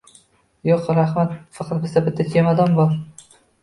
Yo'q, rahmat, bizda faqat bitta chemadon bor.